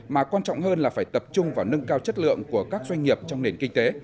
mà quan trọng hơn là phải tập trung vào nâng cao chất lượng của các doanh nghiệp trong nền kinh tế